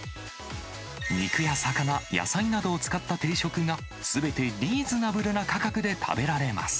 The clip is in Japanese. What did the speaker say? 肉や魚、野菜などを使った定食が、すべてリーズナブルな価格で食べられます。